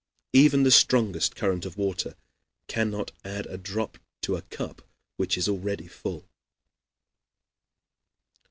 Even the strongest current of water cannot add a drop to a cup which is already full.